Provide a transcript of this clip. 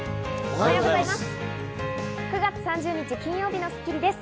おはようございます。